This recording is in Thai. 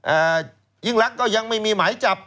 อ่ายิ่งรักยังไม่มีไหมจับ